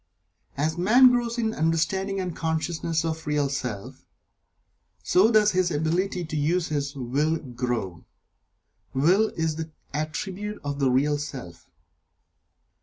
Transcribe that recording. As man grows in understanding and consciousness of the Real Self, so does his ability to use his Will grow. Will is the attribute of the Real Self.